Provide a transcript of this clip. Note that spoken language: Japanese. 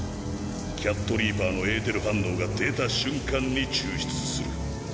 キャットリーパーのエーテル反応が出た瞬間に抽出する。